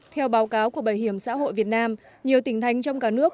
theo báo cáo của bảo hiểm xã hội việt nam nhiều tỉnh thành trong cả nước